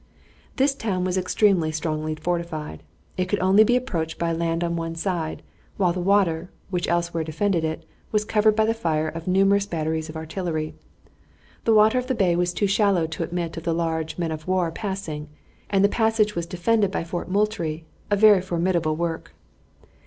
This town was extremely strongly fortified. It could only be approached by land on one side, while the water, which elsewhere defended it, was covered by the fire of numerous batteries of artillery. The water of the bay was too shallow to admit of the larger men of war passing, and the passage was defended by Fort Moultrie, a very formidable work.